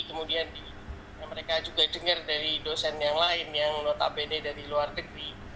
kemudian mereka juga dengar dari dosen yang lain yang notabene dari luar negeri